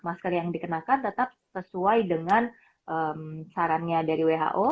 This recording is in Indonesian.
masker yang dikenakan tetap sesuai dengan sarannya dari who